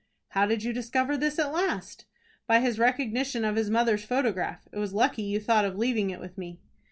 "How did you discover this at last?" "By his recognition of his mother's photograph. It was lucky you thought of leaving it with me."